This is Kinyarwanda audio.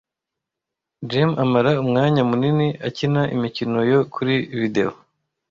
Jame amara umwanya munini akina imikino yo kuri videwo.